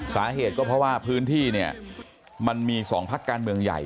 สาเหตุก็เพราะว่าพื้นที่เนี่ยมันมี๒พักการเมืองใหญ่